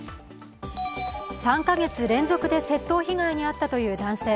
３カ月連続で窃盗被害に遭ったという男性。